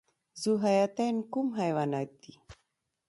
ذوحیاتین کوم حیوانات دي؟